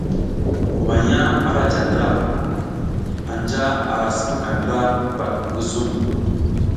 Manya ara ja ndra, anja ara sipaka ndra gwat ngi zum.